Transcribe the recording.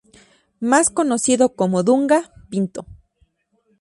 Más conocido como ""Dunga"" Pinto.